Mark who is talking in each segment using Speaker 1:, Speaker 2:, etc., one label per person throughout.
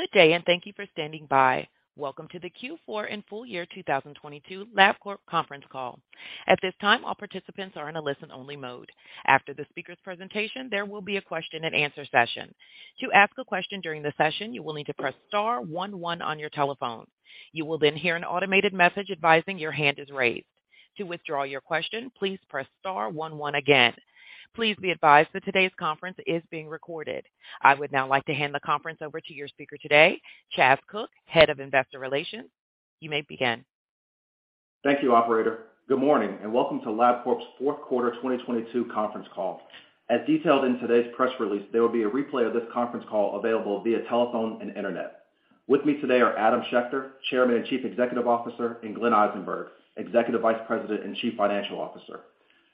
Speaker 1: Good day, and thank you for standing by. Welcome to the Q4 and full year 2022 Labcorp conference call. At this time, all participants are in a listen-only mode. After the speaker's presentation, there will be a question and answer session. To ask a question during the session, you will need to press star one one on your telephone. You will then hear an automated message advising your hand is raised. To withdraw your question, please press star one one again. Please be advised that today's conference is being recorded. I would now like to hand the conference over to your speaker today, Chas Cook, Head of Investor Relations. You may begin.
Speaker 2: Thank you, operator. Good morning, and welcome to Labcorp's fourth quarter 2022 conference call. As detailed in today's press release, there will be a replay of this conference call available via telephone and internet. With me today are Adam Schechter, Chairman and Chief Executive Officer, and Glenn Eisenberg, Executive Vice President and Chief Financial Officer.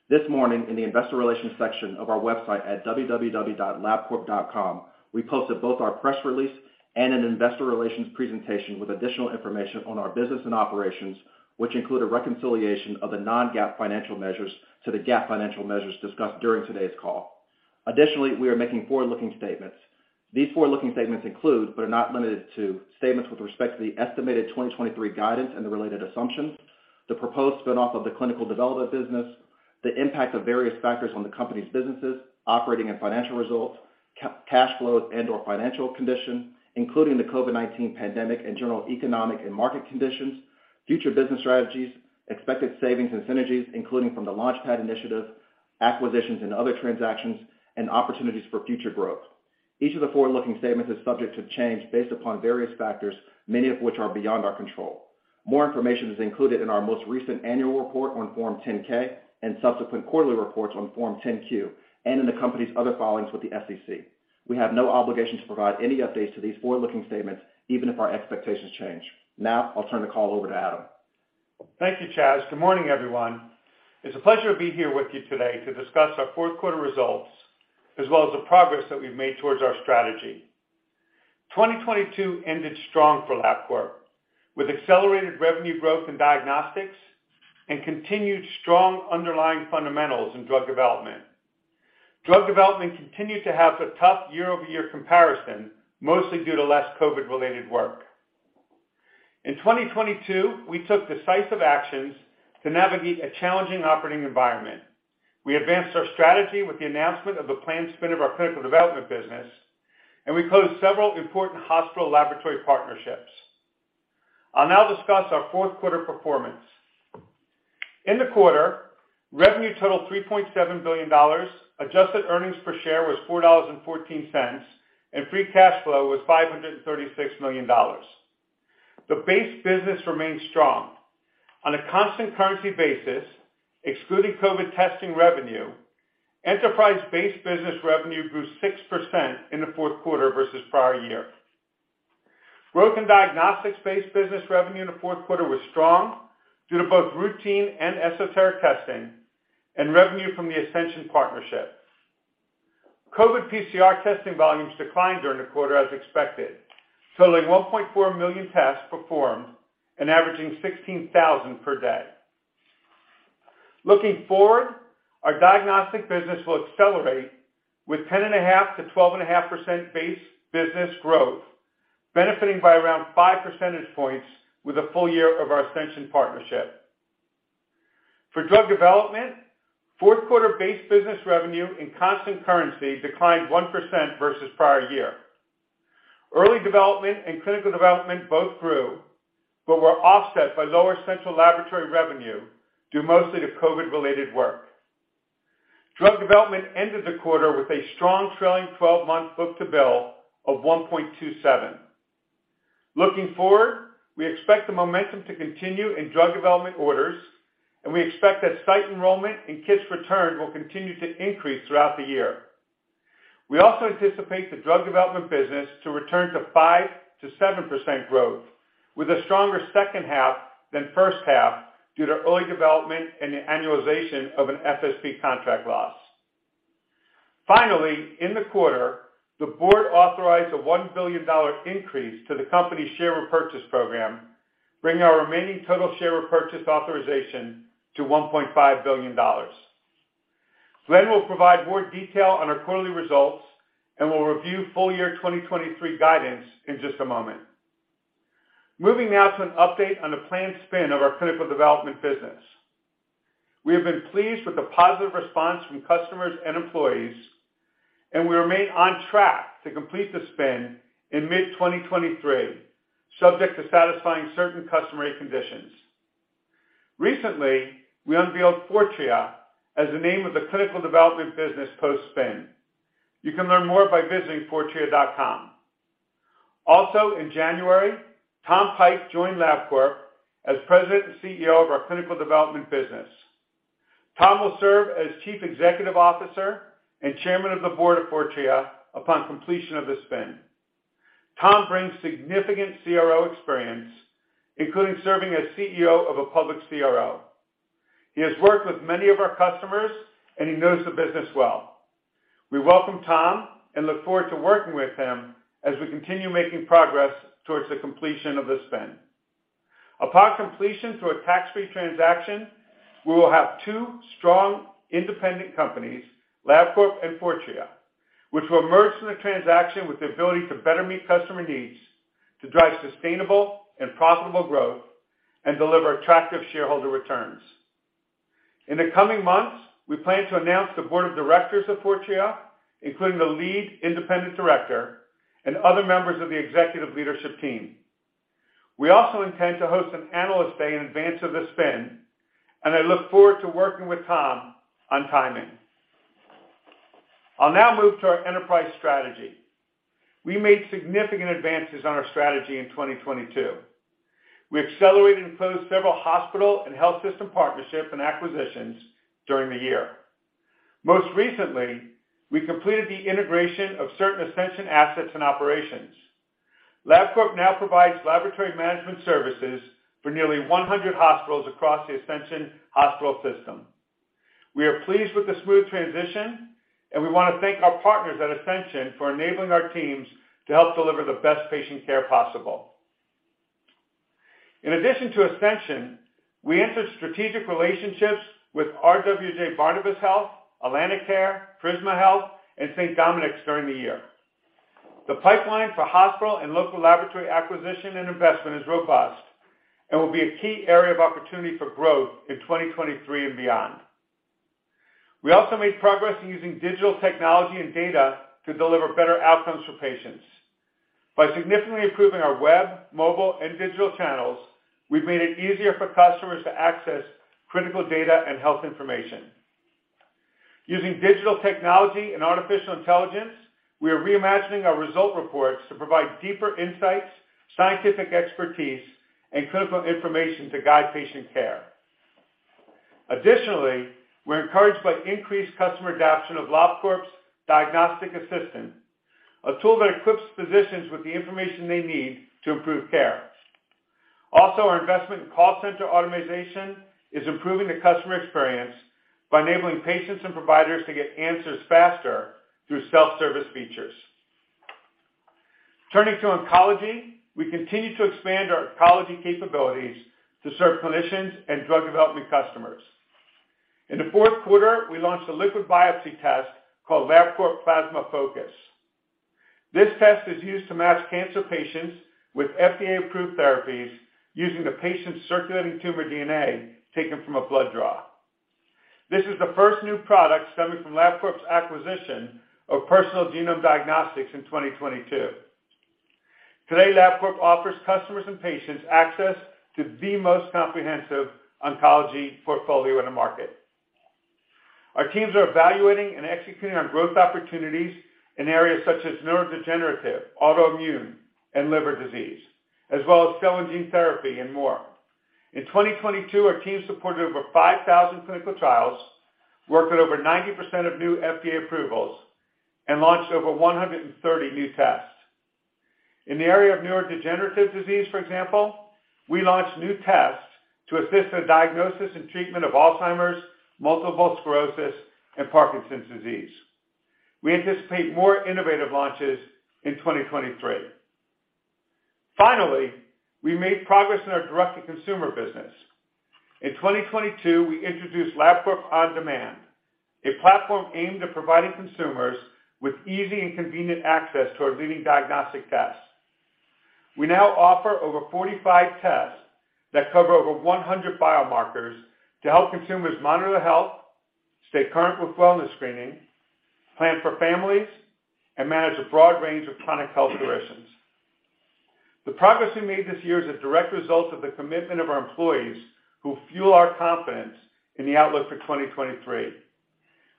Speaker 2: This morning, in the investor relations section of our website at www.labcorp.com, we posted both our press release and an investor relations presentation with additional information on our business and operations, which include a reconciliation of the non-GAAP financial measures to the GAAP financial measures discussed during today's call. Additionally, we are making forward-looking statements. These forward-looking statements include, but are not limited to, statements with respect to the estimated 2023 guidance and the related assumptions, the proposed spin-off of the clinical development business, the impact of various factors on the company's businesses, operating and financial results, cash flows and/or financial condition, including the COVID-19 pandemic and general economic and market conditions, future business strategies, expected savings and synergies, including from the LaunchPad initiative, acquisitions and other transactions, and opportunities for future growth. Each of the forward-looking statements is subject to change based upon various factors, many of which are beyond our control. More information is included in our most recent annual report on Form 10-K and subsequent quarterly reports on Form 10-Q, and in the company's other filings with the SEC. We have no obligation to provide any updates to these forward-looking statements, even if our expectations change. Now, I'll turn the call over to Adam.
Speaker 3: Thank you, Chas. Good morning, everyone. It's a pleasure to be here with you today to discuss our fourth quarter results, as well as the progress that we've made towards our strategy. 2022 ended strong for Labcorp, with accelerated revenue growth in diagnostics and continued strong underlying fundamentals in drug development. Drug development continued to have a tough year-over-year comparison, mostly due to less COVID-related work. In 2022, we took decisive actions to navigate a challenging operating environment. We advanced our strategy with the announcement of the planned spin of our clinical development business, and we closed several important hospital laboratory partnerships. I'll now discuss our fourth quarter performance. In the quarter, revenue totaled $3.7 billion, adjusted earnings per share was $4.14, and free cash flow was $536 million. The base business remained strong. On a constant currency basis, excluding COVID testing revenue, enterprise-based business revenue grew 6% in the fourth quarter versus prior year. Growth in diagnostics-based business revenue in the fourth quarter was strong due to both routine and esoteric testing and revenue from the Ascension partnership. COVID PCR testing volumes declined during the quarter as expected, totaling 1.4 million tests performed and averaging 16,000 per day. Looking forward, our diagnostic business will accelerate with 10.5%-12.5% base business growth, benefiting by around 5 percentage points with a full year of our Ascension partnership. For drug development, fourth quarter base business revenue in constant currency declined 1% versus prior year. Early development and clinical development both grew, but were offset by lower central laboratory revenue, due mostly to COVID-related work. Clinical Development ended the quarter with a strong trailing twelve-month book-to-bill of 1.27. Looking forward, we expect the momentum to continue in Clinical Development orders. We expect that site enrollment and kits returned will continue to increase throughout the year. We also anticipate the Clinical Development business to return to 5%-7% growth, with a stronger second half than first half due to early development and the annualization of an FSP contract loss. In the quarter, the board authorized a $1 billion increase to the company's share repurchase program, bringing our remaining total share repurchase authorization to $1.5 billion. Glenn will provide more detail on our quarterly results. We'll review full year 2023 guidance in just a moment. Moving now to an update on the planned spin of our Clinical Development business. We have been pleased with the positive response from customers and employees, and we remain on track to complete the spin in mid-2023, subject to satisfying certain customary conditions. Recently, we unveiled Fortrea as the name of the clinical development business post-spin. You can learn more by visiting fortrea.com. In January, Tom Pike joined Labcorp as President and CEO of our clinical development business. Tom will serve as Chief Executive Officer and Chairman of the Board of Fortrea upon completion of the spin. Tom brings significant CRO experience, including serving as CEO of a public CRO. He has worked with many of our customers, and he knows the business well. We welcome Tom and look forward to working with him as we continue making progress towards the completion of the spin. Upon completion through a tax-free transaction, we will have two strong independent companies, Labcorp and Fortrea, which will merge in the transaction with the ability to better meet customer needs, to drive sustainable and profitable growth, and deliver attractive shareholder returns. In the coming months, we plan to announce the board of directors of Fortrea, including the lead independent director and other members of the executive leadership team. We also intend to host an analyst day in advance of the spin, and I look forward to working with Tom on timing. I'll now move to our enterprise strategy. We made significant advances on our strategy in 2022. We accelerated and closed several hospital and health system partnerships and acquisitions during the year. Most recently, we completed the integration of certain Ascension assets and operations. Labcorp now provides laboratory management services for nearly 100 hospitals across the Ascension Hospital system. We are pleased with the smooth transition, we wanna thank our partners at Ascension for enabling our teams to help deliver the best patient care possible. In addition to Ascension, we entered strategic relationships with RWJBarnabas Health, AtlantiCare, Prisma Health, and St. Dominic's during the year. The pipeline for hospital and local laboratory acquisition and investment is robust and will be a key area of opportunity for growth in 2023 and beyond. We also made progress in using digital technology and data to deliver better outcomes for patients. By significantly improving our web, mobile, and digital channels, we've made it easier for customers to access critical data and health information. Using digital technology and artificial intelligence, we are reimagining our result reports to provide deeper insights, scientific expertise, and clinical information to guide patient care. We're encouraged by increased customer adoption of Labcorp's Diagnostic Assistant, a tool that equips physicians with the information they need to improve care. Our investment in call center automation is improving the customer experience by enabling patients and providers to get answers faster through self-service features. Turning to oncology, we continue to expand our oncology capabilities to serve clinicians and drug development customers. In the fourth quarter, we launched a liquid biopsy test called Labcorp Plasma Focus. This test is used to match cancer patients with FDA-approved therapies using the patient's circulating tumor DNA taken from a blood draw. This is the first new product stemming from Labcorp's acquisition of Personal Genome Diagnostics in 2022. Today, Labcorp offers customers and patients access to the most comprehensive oncology portfolio in the market. Our teams are evaluating and executing on growth opportunities in areas such as neurodegenerative, autoimmune, and liver disease, as well as cell and gene therapy and more. In 2022, our team supported over 5,000 clinical trials, worked with over 90% of new FDA approvals, and launched over 130 new tests. In the area of neurodegenerative disease, for example, we launched new tests to assist the diagnosis and treatment of Alzheimer's, multiple sclerosis, and Parkinson's disease. We anticipate more innovative launches in 2023. Finally, we made progress in our direct-to-consumer business. In 2022, we introduced Labcorp OnDemand, a platform aimed at providing consumers with easy and convenient access to our leading diagnostic tests. We now offer over 45 tests that cover over 100 biomarkers to help consumers monitor their health, stay current with wellness screening, plan for families, and manage a broad range of chronic health conditions. The progress we made this year is a direct result of the commitment of our employees who fuel our confidence in the outlook for 2023.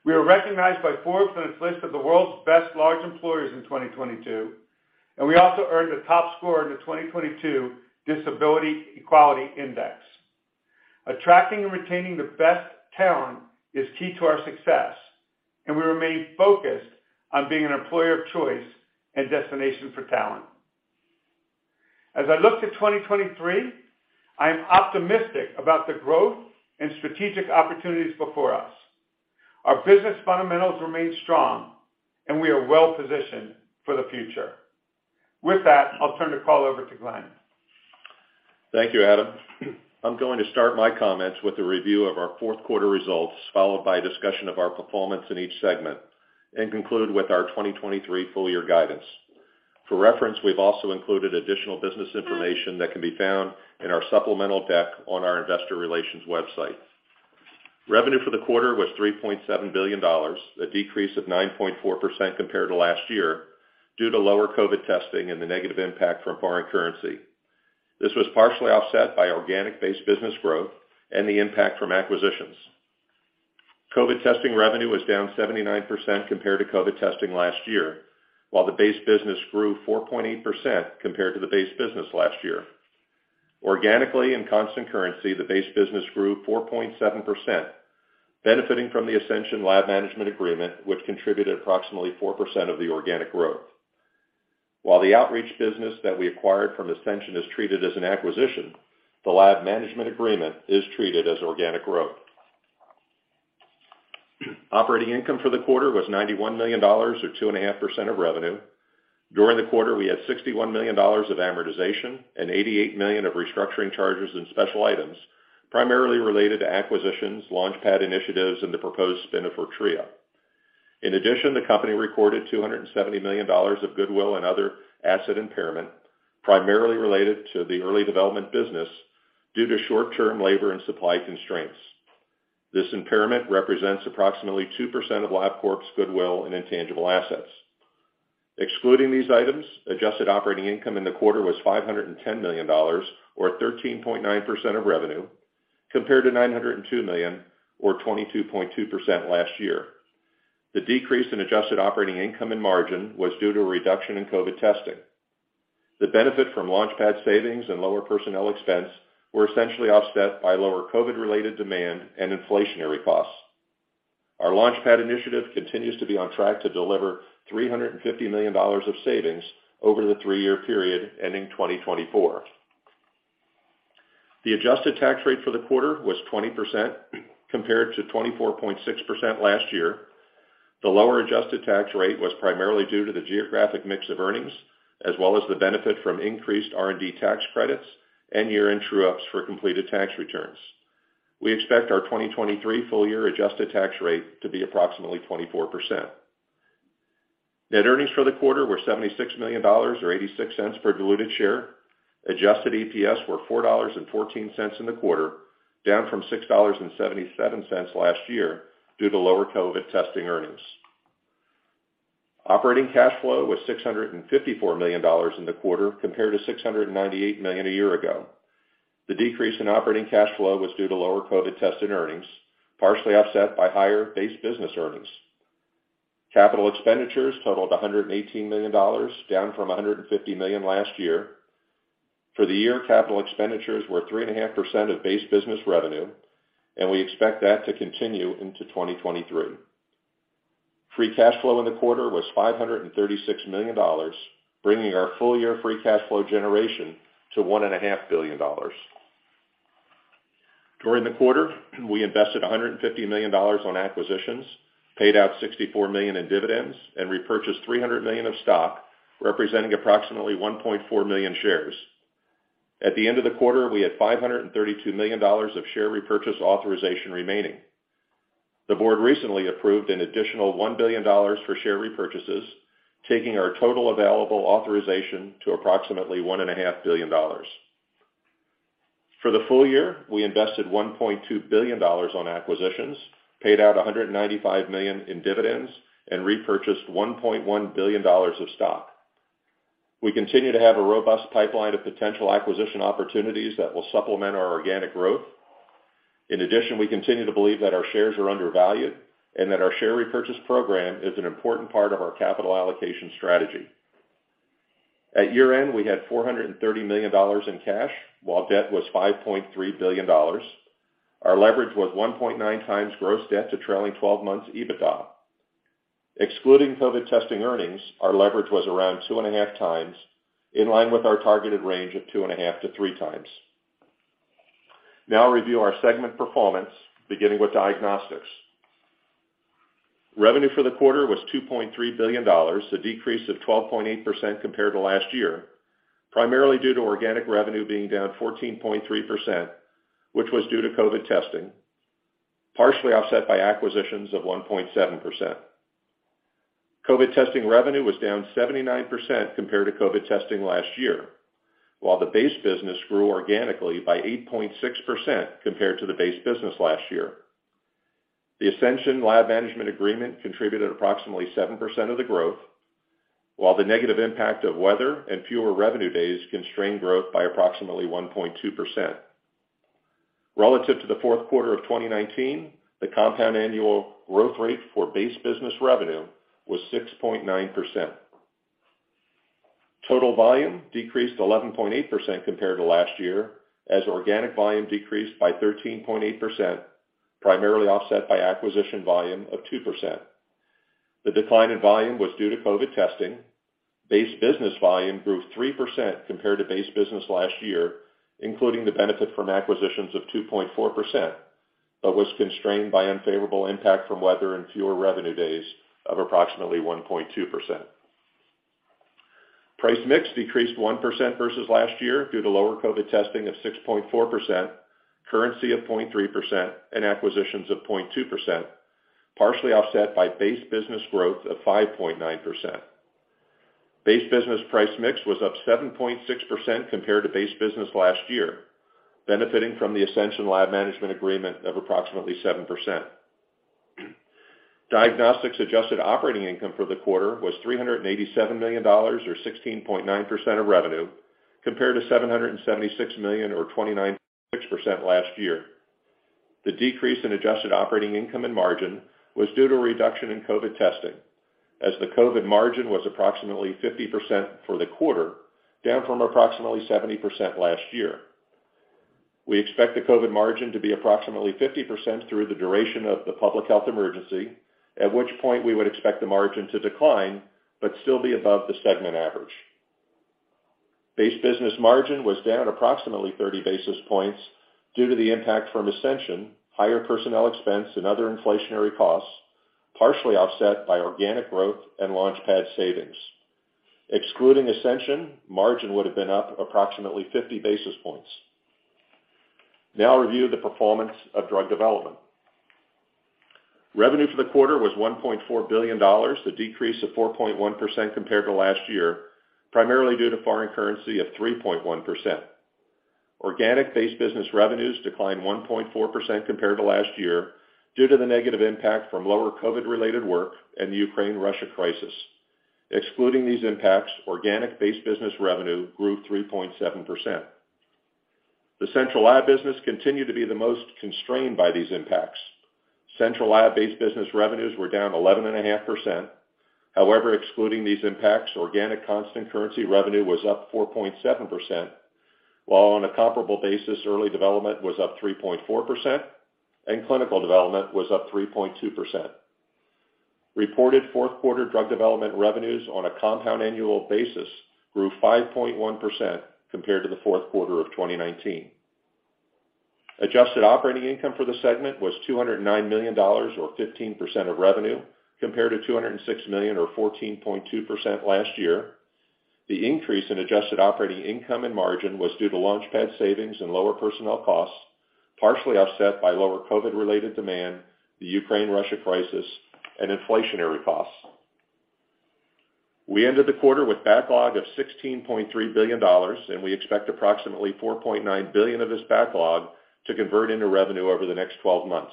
Speaker 3: We are recognized by Forbes on its list of the world's best large employers in 2022. We also earned a top score in the 2022 Disability Equality Index. Attracting and retaining the best talent is key to our success. We remain focused on being an employer of choice and destination for talent. As I look to 2023, I am optimistic about the growth and strategic opportunities before us. Our business fundamentals remain strong. We are well-positioned for the future. With that, I'll turn the call over to Glenn.
Speaker 4: Thank you, Adam. I'm going to start my comments with a review of our fourth quarter results, followed by a discussion of our performance in each segment, and conclude with our 2023 full year guidance. For reference, we've also included additional business information that can be found in our supplemental deck on our investor relations website. Revenue for the quarter was $3.7 billion, a decrease of 9.4% compared to last year due to lower COVID testing and the negative impact from foreign currency. This was partially offset by organic-based business growth and the impact from acquisitions. COVID testing revenue was down 79% compared to COVID testing last year, while the base business grew 4.8% compared to the base business last year. Organically, in constant currency, the base business grew 4.7%, benefiting from the Ascension Lab Management Agreement, which contributed approximately 4% of the organic growth. While the outreach business that we acquired from Ascension is treated as an acquisition, the Lab Management Agreement is treated as organic growth. Operating income for the quarter was $91 million or 2.5% of revenue. During the quarter, we had $61 million of amortization and $88 million of restructuring charges and special items, primarily related to acquisitions, LaunchPad initiatives, and the proposed spin-off for Fortrea. In addition, the company recorded $270 million of goodwill and other asset impairment, primarily related to the early development business due to short-term labor and supply constraints. This impairment represents approximately 2% of Labcorp's goodwill and intangible assets. Excluding these items, adjusted operating income in the quarter was $510 million or 13.9% of revenue, compared to $902 million or 22.2% last year. The decrease in adjusted operating income and margin was due to a reduction in COVID testing. The benefit from LaunchPad savings and lower personnel expense were essentially offset by lower COVID-related demand and inflationary costs. Our LaunchPad initiative continues to be on track to deliver $350 million of savings over the three-year period ending 2024. The adjusted tax rate for the quarter was 20% compared to 24.6% last year. The lower adjusted tax rate was primarily due to the geographic mix of earnings as well as the benefit from increased R&D tax credits and year-end true-ups for completed tax returns. We expect our 2023 full year adjusted tax rate to be approximately 24%. Net earnings for the quarter were $76 million or $0.86 per diluted share. Adjusted EPS were $4.14 in the quarter, down from $6.77 last year due to lower COVID testing earnings. Operating cash flow was $654 million in the quarter compared to $698 million a year ago. The decrease in operating cash flow was due to lower COVID testing earnings, partially offset by higher base business earnings. Capital expenditures totaled $118 million, down from $150 million last year. For the year, Capital expenditures were 3.5% of base business revenue, and we expect that to continue into 2023. Free cash flow in the quarter was $536 million, bringing our full year free cash flow generation to $1.5 billion. During the quarter, we invested $150 million on acquisitions, paid out $64 million in dividends and repurchased $300 million of stock, representing approximately 1.4 million shares. At the end of the quarter, we had $532 million of share repurchase authorization remaining. The board recently approved an additional $1 billion for share repurchases, taking our total available authorization to approximately $1.5 billion. For the full year, we invested $1.2 billion on acquisitions, paid out $195 million in dividends and repurchased $1.1 billion of stock. We continue to have a robust pipeline of potential acquisition opportunities that will supplement our organic growth. We continue to believe that our shares are undervalued and that our share repurchase program is an important part of our capital allocation strategy. At year-end, we had $430 million in cash, while debt was $5.3 billion. Our leverage was 1.9x Gross debt to trailing 12 months EBITDA. Excluding COVID testing earnings, our leverage was around 2.5x, in line with our targeted range of 2.5x to 3x. I'll review our segment performance, beginning with diagnostics. Revenue for the quarter was $2.3 billion, a decrease of 12.8% compared to last year, primarily due to organic revenue being down 14.3%, which was due to COVID testing, partially offset by acquisitions of 1.7%. COVID testing revenue was down 79% compared to COVID testing last year, while the base business grew organically by 8.6% compared to the base business last year. The Ascension Lab management agreement contributed approximately 7% of the growth, while the negative impact of weather and fewer revenue days constrained growth by approximately 1.2%. Relative to the fourth quarter of 2019, the compound annual growth rate for base business revenue was 6.9%. Total volume decreased 11.8% compared to last year as organic volume decreased by 13.8%, primarily offset by acquisition volume of 2%. The decline in volume was due to COVID testing. Base business volume grew 3% compared to base business last year, including the benefit from acquisitions of 2.4%, but was constrained by unfavorable impact from weather and fewer revenue days of approximately 1.2%. Price mix decreased 1% versus last year due to lower COVID testing of 6.4%, currency of 0.3%, and acquisitions of 0.2%, partially offset by base business growth of 5.9%. Base business price mix was up 7.6% compared to base business last year, benefiting from the Ascension Lab management agreement of approximately 7%. Diagnostics adjusted operating income for the quarter was $387 million or 16.9% of revenue, compared to $776 million or 29.6% last year. The decrease in adjusted operating income and margin was due to a reduction in COVID testing as the COVID margin was approximately 50% for the quarter, down from approximately 70% last year. We expect the COVID margin to be approximately 50% through the duration of the public health emergency, at which point we would expect the margin to decline but still be above the segment average. Base business margin was down approximately 30 basis points due to the impact from Ascension, higher personnel expense and other inflationary costs, partially offset by organic growth and LaunchPad savings. Excluding Ascension, margin would have been up approximately 50 basis points. I'll review the performance of drug development. Revenue for the quarter was $1.4 billion, a decrease of 4.1% compared to last year, primarily due to foreign currency of 3.1%. Organic base business revenues declined 1.4% compared to last year due to the negative impact from lower COVID-related work and the Ukraine-Russia crisis. Excluding these impacts, organic base business revenue grew 3.7%. The central lab business continued to be the most constrained by these impacts. Central lab base business revenues were down 11.5%. Excluding these impacts, organic constant currency revenue was up 4.7%, while on a comparable basis, early development was up 3.4% and clinical development was up 3.2%. Reported fourth quarter drug development revenues on a compound annual basis grew 5.1% compared to the fourth quarter of 2019. Adjusted operating income for the segment was $209 million or 15% of revenue compared to $206 million or 14.2% last year. The increase in adjusted operating income and margin was due to LaunchPad savings and lower personnel costs, partially offset by lower COVID-related demand, the Ukraine-Russia crisis and inflationary costs. We ended the quarter with backlog of $16.3 billion, and we expect approximately $4.9 billion of this backlog to convert into revenue over the next 12 months.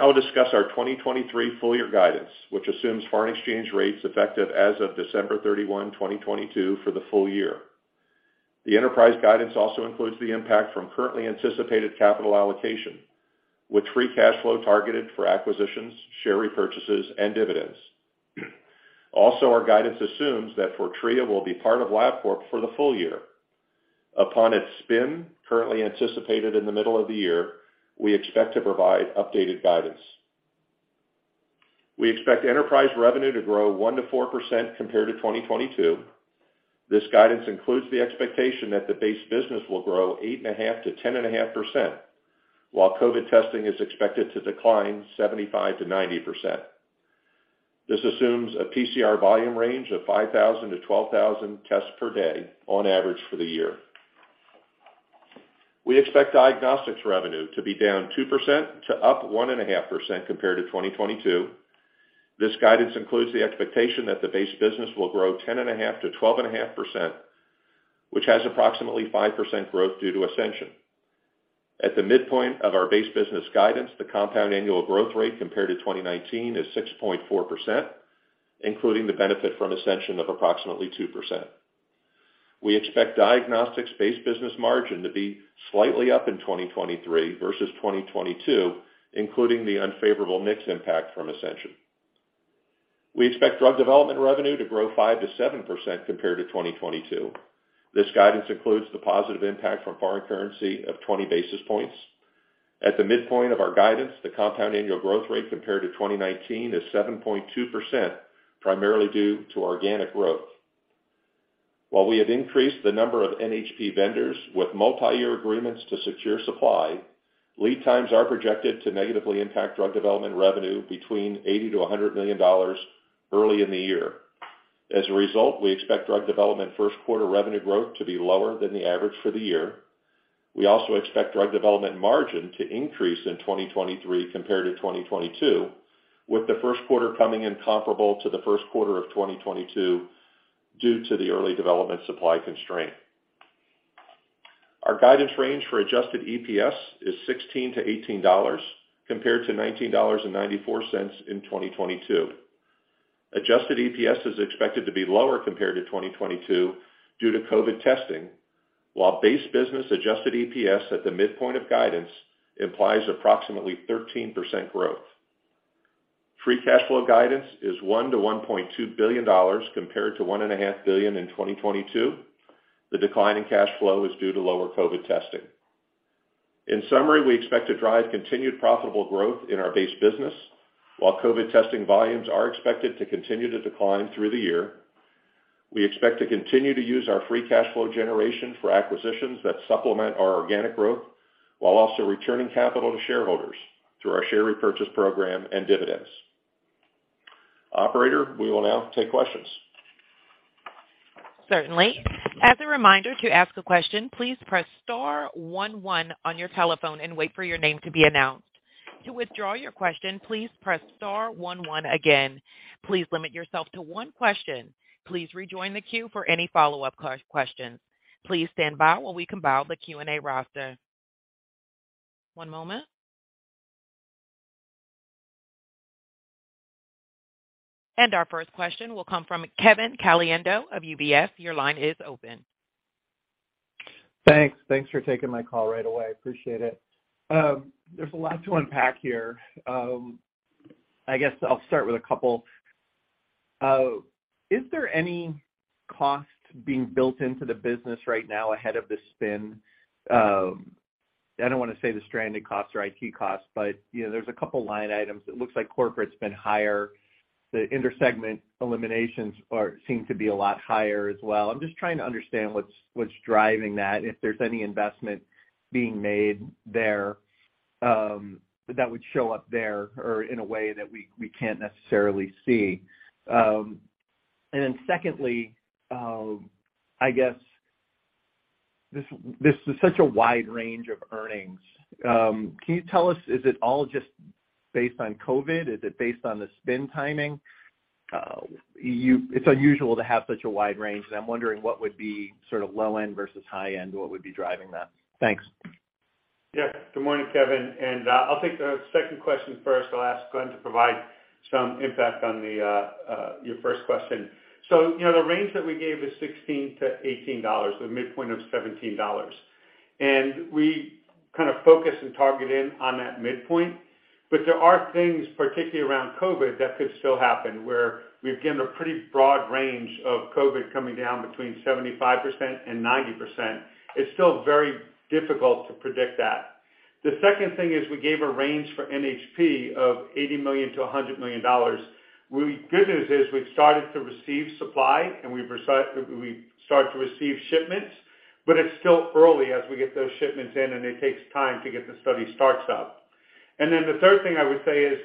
Speaker 4: I'll discuss our 2023 full year guidance, which assumes foreign exchange rates effective as of December 31, 2022 for the full year. The enterprise guidance also includes the impact from currently anticipated capital allocation, with free cash flow targeted for acquisitions, share repurchases and dividends. Our guidance assumes that Fortrea will be part of Labcorp for the full year. Upon its spin, currently anticipated in the middle of the year, we expect to provide updated guidance. We expect enterprise revenue to grow 1%-4% compared to 2022. This guidance includes the expectation that the base business will grow 8.5%-10.5%, while COVID testing is expected to decline 75%-90%. This assumes a PCR volume range of 5,000-12,000 tests per day on average for the year. We expect diagnostics revenue to be down -2% to up +1.5% compared to 2022. This guidance includes the expectation that the base business will grow 10.5%-12.5%, which has approximately 5% growth due to Ascension. At the midpoint of our base business guidance, the compound annual growth rate compared to 2019 is 6.4%, including the benefit from Ascension of approximately 2%. We expect diagnostics base business margin to be slightly up in 2023 versus 2022, including the unfavorable mix impact from Ascension. We expect drug development revenue to grow 5%-7% compared to 2022. This guidance includes the positive impact from foreign currency of 20 basis points. At the midpoint of our guidance, the compound annual growth rate compared to 2019 is 7.2%, primarily due to organic growth. While we have increased the number of NHP vendors with multiyear agreements to secure supply, lead times are projected to negatively impact drug development revenue between $80 million-$100 million early in the year. We expect drug development first quarter revenue growth to be lower than the average for the year. We also expect drug development margin to increase in 2023 compared to 2022, with the first quarter coming in comparable to the first quarter of 2022 due to the early development supply constraint. Our guidance range for Adjusted EPS is $16-$18 compared to $19.94 in 2022. Adjusted EPS is expected to be lower compared to 2022 due to COVID testing, while base business Adjusted EPS at the midpoint of guidance implies approximately 13% growth. Free cash flow guidance is $1 billion-$1.2 billion compared to $1.5 billion in 2022. The decline in cash flow is due to lower COVID testing. In summary, we expect to drive continued profitable growth in our base business while COVID testing volumes are expected to continue to decline through the year. We expect to continue to use our free cash flow generation for acquisitions that supplement our organic growth while also returning capital to shareholders through our share repurchase program and dividends. Operator, we will now take questions.
Speaker 1: Certainly. As a reminder, to ask a question, please press star one one on your telephone and wait for your name to be announced. To withdraw your question, please press star one one again. Please limit yourself to one question. Please rejoin the queue for any follow-up questions. Please stand by while we compile the Q&A roster. One moment. Our first question will come from Kevin Caliendo of UBS. Your line is open.
Speaker 5: Thanks. Thanks for taking my call right away. Appreciate it. There's a lot to unpack here. I guess I'll start with a couple. Is there any cost being built into the business right now ahead of the spin? I don't wanna say the stranded costs or IT costs, but, you know, there's a couple line items. It looks like corporate's been higher. The intersegment eliminations seem to be a lot higher as well. I'm just trying to understand what's driving that, if there's any investment being made there, that would show up there or in a way that we can't necessarily see. Secondly, I guess this is such a wide range of earnings. Can you tell us, is it all just based on COVID? Is it based on the spin timing? It's unusual to have such a wide range, and I'm wondering what would be sort of low end versus high end, what would be driving that? Thanks.
Speaker 3: Good morning, Kevin. I'll take the second question first. I'll ask Glenn to provide some impact on your first question. You know, the range that we gave is $16-$18, with a midpoint of $17. We kind of focus and target in on that midpoint. There are things, particularly around COVID, that could still happen, where we've given a pretty broad range of COVID coming down between 75% and 90%. It's still very difficult to predict that. The second thing is we gave a range for NHP of $80 million-$100 million. Good news is we've started to receive supply, and we've started to receive shipments, but it's still early as we get those shipments in, and it takes time to get the study starts up. The third thing I would say is,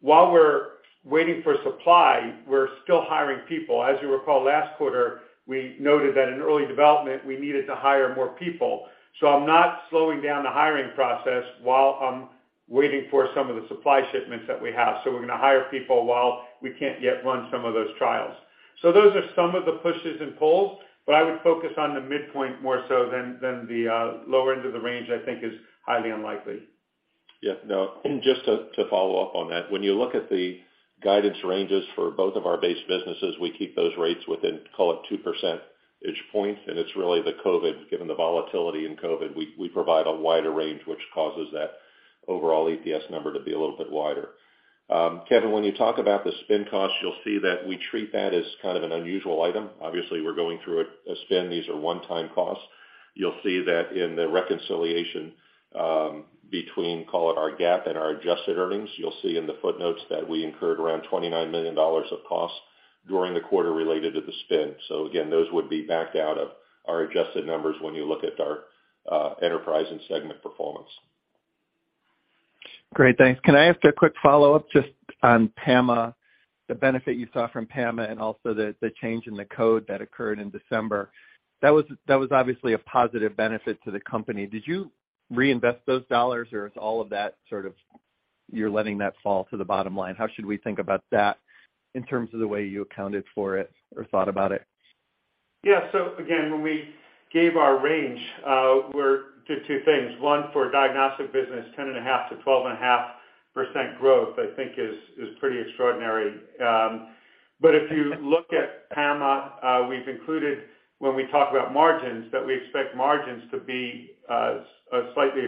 Speaker 3: while we're waiting for supply, we're still hiring people. As you recall, last quarter, we noted that in early development, we needed to hire more people. I'm not slowing down the hiring process while I'm waiting for some of the supply shipments that we have. We're gonna hire people while we can't yet run some of those trials. Those are some of the pushes and pulls, but I would focus on the midpoint more so than the lower end of the range, I think is highly unlikely.
Speaker 4: Yeah, no. Just to follow up on that. When you look at the guidance ranges for both of our base businesses, we keep those rates within, call it 2 percentage points, and it's really the COVID, given the volatility in COVID, we provide a wider range, which causes that overall EPS number to be a little bit wider. Kevin, when you talk about the spin costs, you'll see that we treat that as kind of an unusual item. Obviously, we're going through a spin. These are one-time costs. You'll see that in the reconciliation, between, call it our GAAP and our adjusted earnings. You'll see in the footnotes that we incurred around $29 million of costs during the quarter related to the spin. Again, those would be backed out of our adjusted numbers when you look at our enterprise and segment performance.
Speaker 5: Great, thanks. Can I ask a quick follow-up just on PAMA, the benefit you saw from PAMA and also the change in the code that occurred in December? That was obviously a positive benefit to the company. Did you reinvest those dollars or is all of that sort of, you're letting that fall to the bottom line? How should we think about that in terms of the way you accounted for it or thought about it?
Speaker 3: Again, when we gave our range, we're two things. One, for diagnostic business, 10.5%-12.5% growth, I think is pretty extraordinary. If you look at PAMA, we've included when we talk about margins, that we expect margins to be slightly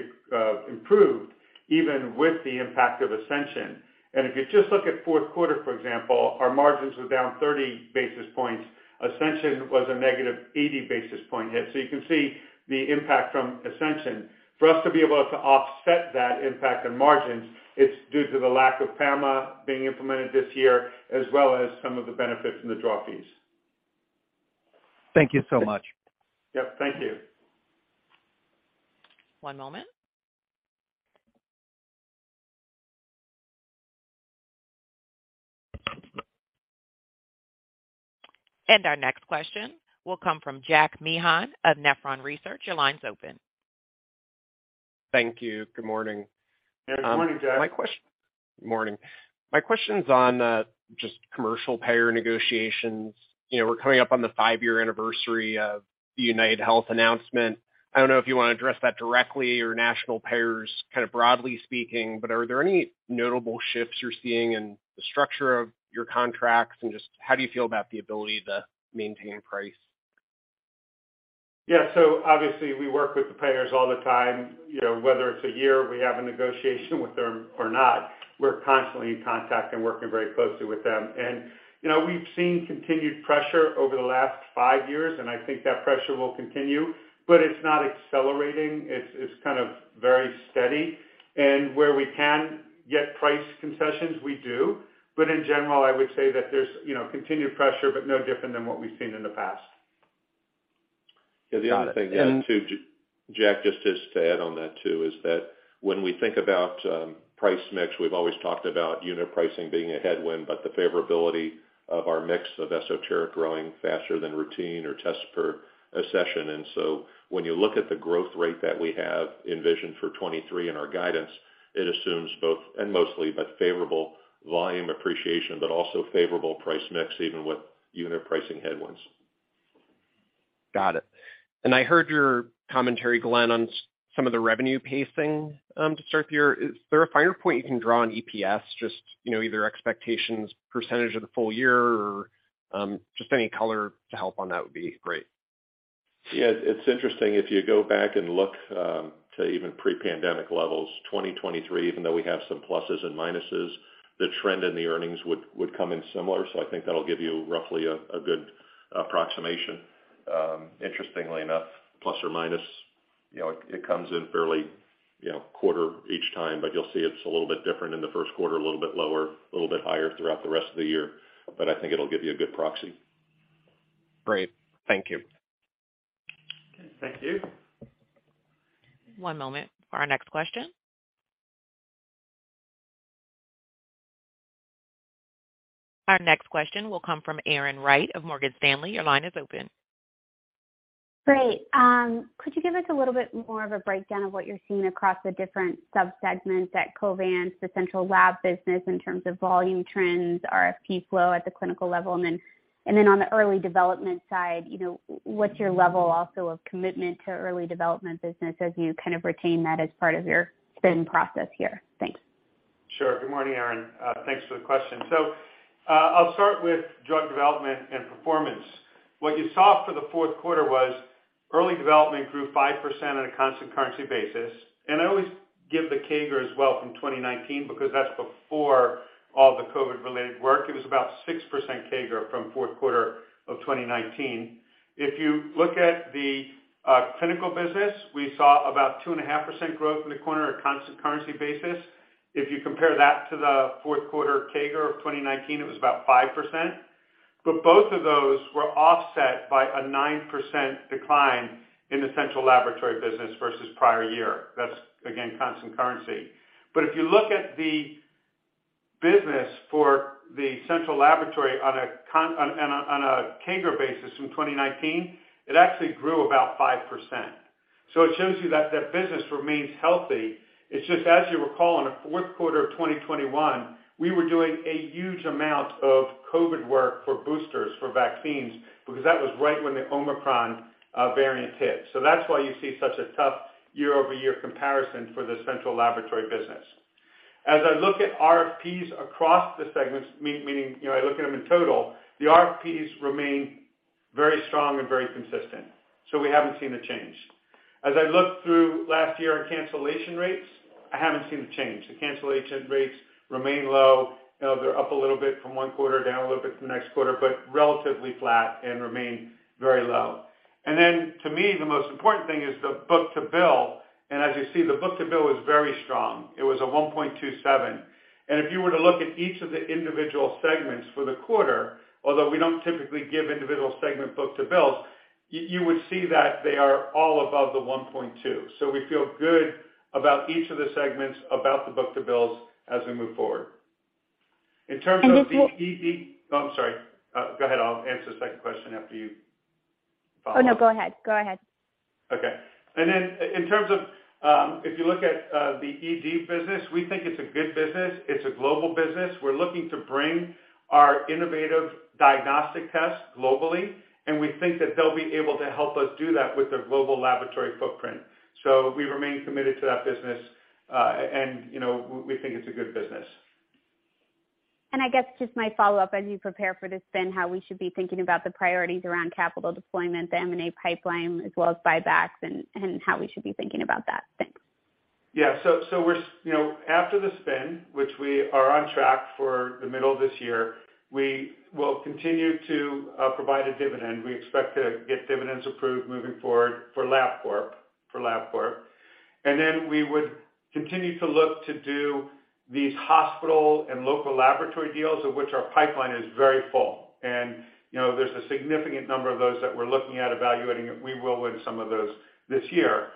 Speaker 3: improved even with the impact of Ascension. If you just look at fourth quarter, for example, our margins were down 30 basis points. Ascension was a negative 80 basis point hit. You can see the impact from Ascension. For us to be able to offset that impact on margins, it's due to the lack of PAMA being implemented this year, as well as some of the benefits from the draw fees.
Speaker 5: Thank you so much.
Speaker 3: Yep, thank you.
Speaker 1: One moment. Our next question will come from Jack Meehan of Nephron Research. Your line's open.
Speaker 6: Thank you. Good morning.
Speaker 3: Good morning, Jack.
Speaker 6: Good morning. My question's on just commercial payer negotiations. You know, we're coming up on the five-year anniversary of the UnitedHealth announcement. I don't know if you wanna address that directly or national payers, kind of broadly speaking, but are there any notable shifts you're seeing in the structure of your contracts? Just how do you feel about the ability to maintain price?
Speaker 3: Yeah. Obviously, we work with the payers all the time, you know, whether it's a year, we have a negotiation with them or not, we're constantly in contact and working very closely with them. You know, we've seen continued pressure over the last five years, and I think that pressure will continue, but it's not accelerating. It's kind of very steady. Where we can get price concessions, we do. In general, I would say that there's, you know, continued pressure, but no different than what we've seen in the past.
Speaker 6: Got it.
Speaker 4: The other thing, too, Jack, just to add on that too, is that when we think about price mix, we've always talked about unit pricing being a headwind, but the favorability of our mix of esoteric growing faster than routine or tests per a session. When you look at the growth rate that we have envisioned for 23 in our guidance, it assumes mostly favorable volume appreciation, but also favorable price mix, even with unit pricing headwinds.
Speaker 6: Got it. I heard your commentary, Glenn, on some of the revenue pacing to start the year. Is there a finer point you can draw on EPS, just, you know, either expectations, % of the full year or just any color to help on that would be great.
Speaker 4: Yeah. It's interesting. If you go back and look to even pre-pandemic levels, 2023, even though we have some pluses and minuses, the trend in the earnings would come in similar. I think that'll give you roughly a good approximation, interestingly enough, plus or minus. You know, it comes in fairly, you know, quarter each time, but you'll see it's a little bit different in the first quarter, a little bit lower, a little bit higher throughout the rest of the year. I think it'll give you a good proxy.
Speaker 6: Great. Thank you.
Speaker 3: Thank you.
Speaker 1: One moment for our next question. Our next question will come from Erin Wright of Morgan Stanley. Your line is open.
Speaker 7: Great. Could you give us a little bit more of a breakdown of what you're seeing across the different sub-segments at Covance, the central lab business, in terms of volume trends, RFP flow at the clinical level? On the early development side, you know, what's your level also of commitment to early development business as you kind of retain that as part of your spin process here? Thanks.
Speaker 3: Sure. Good morning, Erin. Thanks for the question. I'll start with drug development and performance. What you saw for the fourth quarter was early development grew 5% on a constant currency basis. I always give the CAGR as well from 2019 because that's before all the COVID-related work. It was about 6% CAGR from fourth quarter of 2019. If you look at the clinical business, we saw about 2.5% growth in the quarter on a constant currency basis. If you compare that to the fourth quarter CAGR of 2019, it was about 5%. Both of those were offset by a 9% decline in the central laboratory business versus prior year. That's, again, constant currency. If you look at the business for the central laboratory on a CAGR basis from 2019, it actually grew about 5%. It shows you that that business remains healthy. It's just as you recall, in the fourth quarter of 2021, we were doing a huge amount of COVID work for boosters, for vaccines, because that was right when the Omicron variant hit. That's why you see such a tough year-over-year comparison for the central laboratory business. As I look at RFPs across the segments, you know, I look at them in total, the RFPs remain very strong and very consistent, we haven't seen a change. As I look through last year on cancellation rates, I haven't seen the change. The cancellation rates remain low. You know, they're up a little bit from one quarter, down a little bit from the next quarter, but relatively flat and remain very low. To me, the most important thing is the book-to-bill, and as you see, the book-to-bill is very strong. It was a 1.27. If you were to look at each of the individual segments for the quarter, although we don't typically give individual segment book-to-bills, you would see that they are all above the 1.2. We feel good about each of the segments, about the book-to-bills as we move forward.
Speaker 7: just one-.
Speaker 3: Oh, I'm sorry. Go ahead. I'll answer the second question after you follow up.
Speaker 7: Oh, no, go ahead.
Speaker 3: Okay. In terms of, if you look at the ED business, we think it's a good business. It's a global business. We're looking to bring our innovative diagnostic tests globally, and we think that they'll be able to help us do that with their global laboratory footprint. We remain committed to that business, and, you know, we think it's a good business.
Speaker 7: I guess just my follow-up as you prepare for the spin, how we should be thinking about the priorities around capital deployment, the M&A pipeline, as well as buybacks and how we should be thinking about that. Thanks.
Speaker 3: Yeah. You know, after the spin, which we are on track for the middle of this year, we will continue to provide a dividend. We expect to get dividends approved moving forward for Labcorp. We would continue to look to do these hospital and local laboratory deals of which our pipeline is very full. You know, there's a significant number of those that we're looking at evaluating, and we will win some of those this year.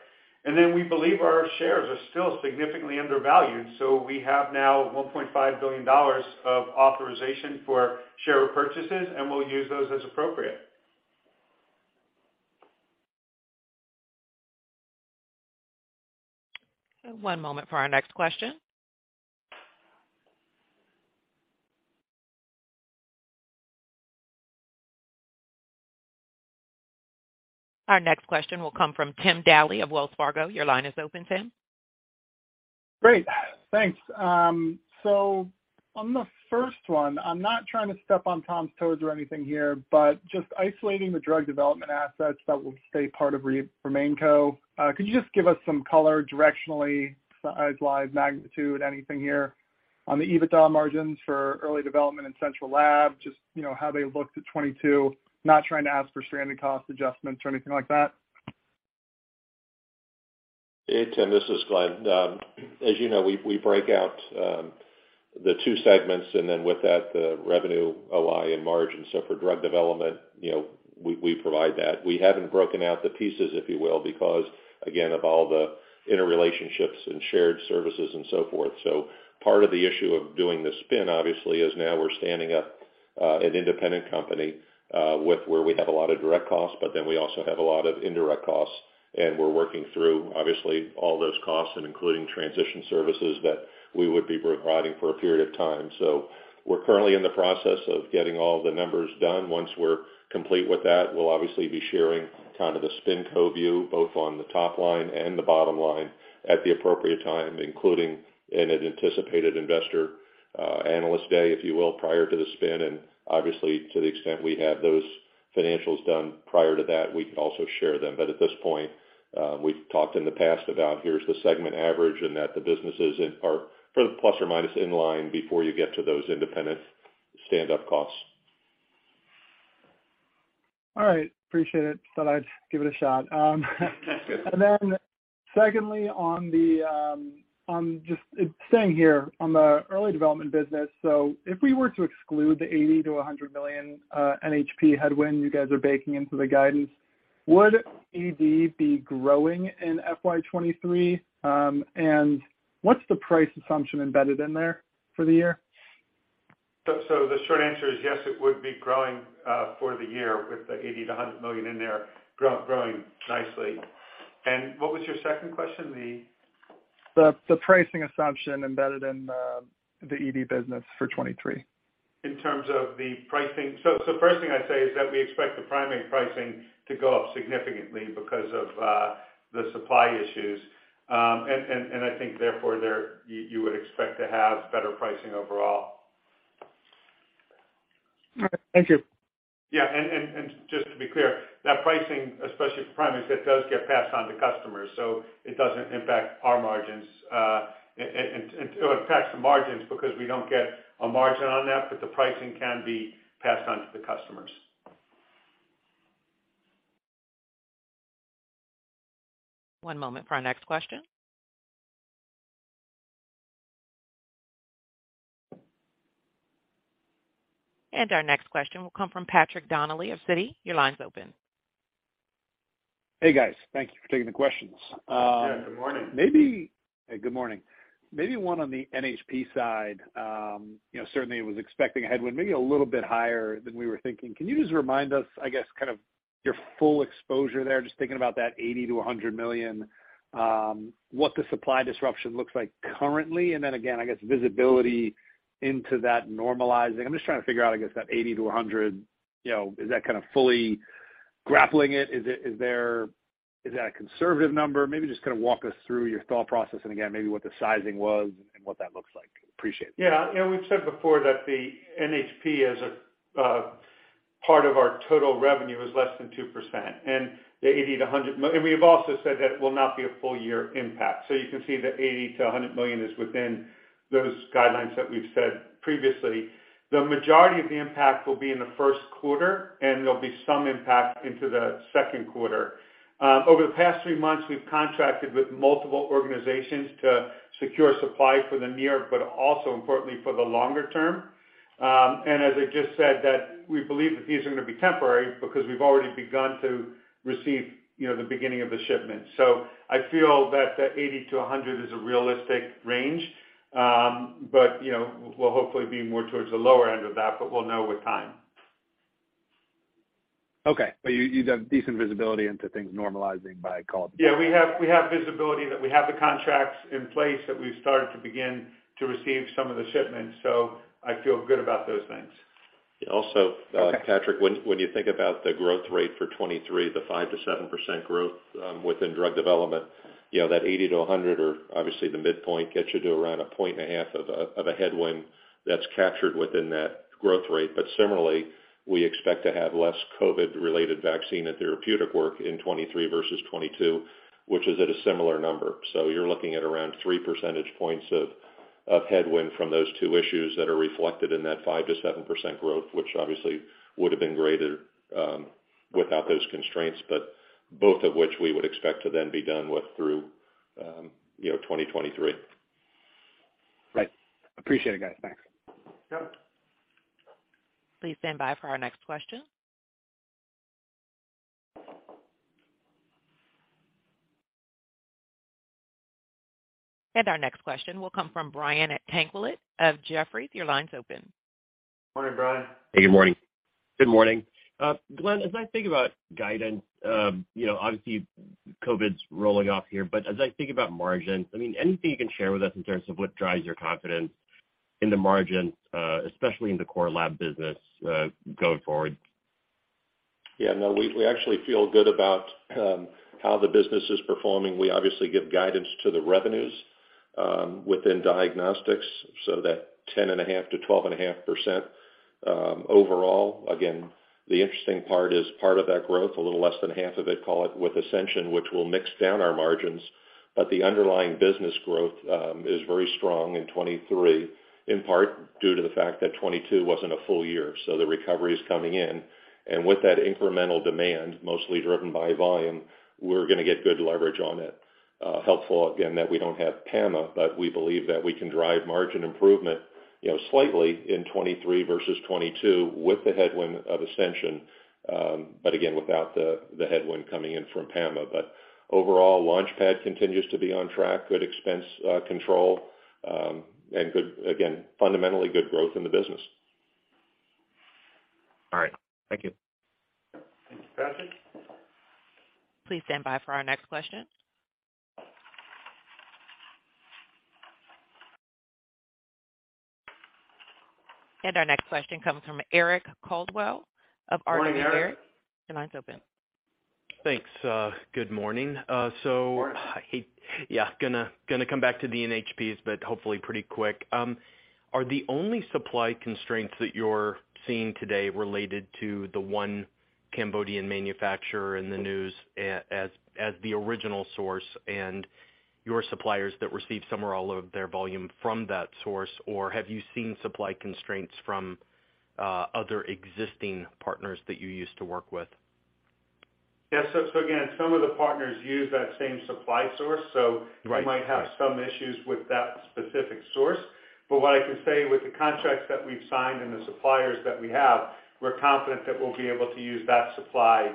Speaker 3: We believe our shares are still significantly undervalued. We have now $1.5 billion of authorization for share purchases, and we'll use those as appropriate.
Speaker 1: One moment for our next question. Our next question will come from Tim Daley of Wells Fargo. Your line is open, Tim.
Speaker 8: Great, thanks. On the first one, I'm not trying to step on Tom's toes or anything here, but just isolating the drug development assets that will stay part of RemainCo. Could you just give us some color directionally, size, magnitude, anything here on the EBITDA margins for early development and central lab, just, you know, how they looked at 2022. Not trying to ask for stranded cost adjustments or anything like that.
Speaker 4: Hey, Tim, this is Glenn. As you know, we break out the two segments and then with that the revenue, OI, and margin. For drug development, you know, we provide that. We haven't broken out the pieces, if you will, because again, of all the interrelationships and shared services and so forth. Part of the issue of doing the spin obviously is now we're standing up an independent company with where we have a lot of direct costs, but then we also have a lot of indirect costs and we're working through obviously all those costs and including transition services that we would be providing for a period of time. We're currently in the process of getting all the numbers done. Once we're complete with that, we'll obviously be sharing kind of the spin co-view both on the top line and the bottom line at the appropriate time, including in an anticipated investor, analyst day, if you will, prior to the spin. Obviously to the extent we have those financials done prior to that, we can also share them. At this point, we've talked in the past about here's the segment average and that the businesses are for the plus or minus inline before you get to those independent standup costs.
Speaker 8: All right, appreciate it. Thought I'd give it a shot. Secondly, on the staying here on the early development business. If we were to exclude the $80 million-$100 million NHP headwind you guys are baking into the guidance, would ED be growing in FY 2023? What's the price assumption embedded in there for the year?
Speaker 3: The short answer is yes, it would be growing for the year with the $80 million-$100 million in there growing nicely. What was your second question?
Speaker 8: The pricing assumption embedded in the ED business for 2023.
Speaker 3: In terms of the pricing. First thing I'd say is that we expect the primary pricing to go up significantly because of, the supply issues. I think therefore there, you would expect to have better pricing overall.
Speaker 8: All right. Thank you.
Speaker 3: Yeah. Just to be clear, that pricing, especially for primary, it does get passed on to customers, so it doesn't impact our margins, it impacts the margins because we don't get a margin on that, but the pricing can be passed on to the customers.
Speaker 1: One moment for our next question. Our next question will come from Patrick Donnelly of Citi. Your line's open.
Speaker 9: Hey, guys. Thank you for taking the questions.
Speaker 3: Yeah, good morning.
Speaker 9: Hey, good morning. Maybe one on the NHP side. you know, certainly was expecting a headwind maybe a little bit higher than we were thinking. Can you just remind us, I guess, kind of your full exposure there, just thinking about that $80 million-$100 million, what the supply disruption looks like currently, and then again, I guess, visibility into that normalizing. I'm just trying to figure out, I guess, that 80-100, you know, is that kind of fully grappling it? Is that a conservative number? Maybe just kind of walk us through your thought process and again, maybe what the sizing was and what that looks like. Appreciate it.
Speaker 3: Yeah. You know, we've said before that the NHP as a part of our total revenue is less than 2% and the $80 million-$100 million. We have also said that it will not be a full year impact. You can see the $80 million-$100 million is within those guidelines that we've said previously. The majority of the impact will be in the first quarter, and there'll be some impact into the second quarter. Over the past three months, we've contracted with multiple organizations to secure supply for the near, but also importantly for the longer term. As I just said, that we believe that these are gonna be temporary because we've already begun to receive, you know, the beginning of the shipment. I feel that the 80-100 is a realistic range, but you know, we'll hopefully be more towards the lower end of that, but we'll know with time.
Speaker 9: Okay. You have decent visibility into things normalizing by call?
Speaker 3: Yeah, we have visibility that we have the contracts in place that we've started to begin to receive some of the shipments, so I feel good about those things.
Speaker 4: Yeah. Also-
Speaker 9: Okay...
Speaker 4: Patrick, when you think about the growth rate for 2023, the 5%-7% growth, within drug development, you know, that $80 million-$100 million or obviously the midpoint gets you to around 1.5 percentage points of a, of a headwind that's captured within that growth rate. Similarly, we expect to have less COVID related vaccine and therapeutic work in 2023 versus 2022, which is at a similar number. You're looking at around 3 percentage points of headwind from those two issues that are reflected in that 5%-7% growth, which obviously would've been greater, without those constraints, but both of which we would expect to then be done with through, you know, 2023.
Speaker 9: Right. Appreciate it, guys. Thanks.
Speaker 3: Yep.
Speaker 1: Please stand by for our next question. Our next question will come from Brian Tanquilut of Jefferies. Your line's open.
Speaker 3: Morning, Brian.
Speaker 10: Hey, good morning. Good morning. Glenn, as I think about guidance, you know, obviously COVID's rolling off here, but as I think about margins, I mean, anything you can share with us in terms of what drives your confidence in the margins, especially in the core lab business, going forward?
Speaker 4: Yeah, no, we actually feel good about how the business is performing. We obviously give guidance to the revenues within diagnostics, so that 10.5%-12.5% overall. The interesting part is part of that growth, a little less than half of it, call it, with Ascension, which will mix down our margins. The underlying business growth is very strong in 2023, in part due to the fact that 2022 wasn't a full year, so the recovery is coming in. With that incremental demand, mostly driven by volume, we're gonna get good leverage on it. Helpful again, that we don't have PAMA. We believe that we can drive margin improvement, you know, slightly in 2023 versus 2022 with the headwind of Ascension, but again, without the headwind coming in from PAMA. Overall, Launchpad continues to be on track, good expense control, and again, fundamentally good growth in the business.
Speaker 10: All right. Thank you.
Speaker 3: Thank you, Patrick.
Speaker 1: Please stand by for our next question. Our next question comes from Eric Coldwell of RBC. Good morning, Eric. Your line's open.
Speaker 11: Thanks. Good morning.
Speaker 3: Of course.
Speaker 11: Yeah, gonna come back to the NHPs, but hopefully pretty quick. Are the only supply constraints that you're seeing today related to the one? Cambodian manufacturer in the news as the original source and your suppliers that receive somewhere all of their volume from that source, or have you seen supply constraints from other existing partners that you used to work with?
Speaker 3: Yeah. Again, some of the partners use that same supply source.
Speaker 11: Right...
Speaker 3: we might have some issues with that specific source. What I can say with the contracts that we've signed and the suppliers that we have, we're confident that we'll be able to use that supply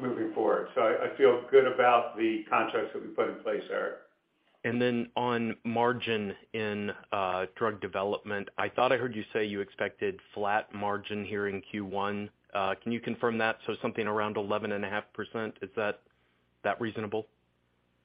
Speaker 3: moving forward. I feel good about the contracts that we put in place, Eric.
Speaker 11: On margin in drug development, I thought I heard you say you expected flat margin here in Q1. Can you confirm that? Something around 11.5%, is that reasonable?